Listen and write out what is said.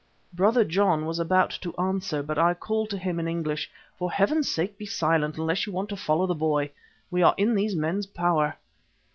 Brother John was about to answer, but I called to him in English: "For Heaven's sake be silent, unless you want to follow the boy. We are in these men's power."